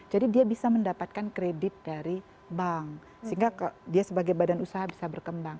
jadi dia bisa mendapatkan kredit dari bank sehingga dia sebagai badan usaha bisa berkembang